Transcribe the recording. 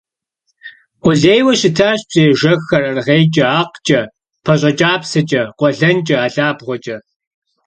Къулейуэ щытащ псыежэххэр аргъейкӀэ, акъкӀэ, пащӀэкӀапсэкӀэ, къуэлэнкӀэ, алабгъуэкӀэ.